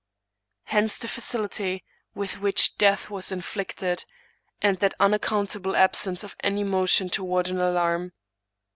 Hence the facility with which death was inflicted, and that unaccountable absence of any motion toward an alarm.